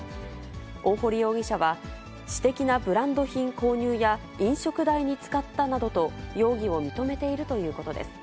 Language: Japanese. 大堀容疑者は、私的なブランド品購入や飲食代に使ったなどと、容疑を認めているということです。